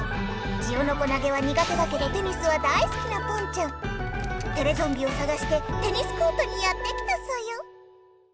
ジオノコ投げはにがてだけどテニスはだいすきなポンちゃんテレゾンビをさがしてテニスコートにやって来たソヨ！